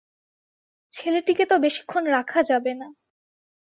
ছেলেটিকে তো বেশিক্ষণ রাখা যাবে না।